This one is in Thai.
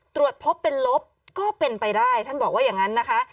ตรวจพบเป็นลบก็เป็นไปได้ท่านบอกว่าอย่างนั้นนะคะ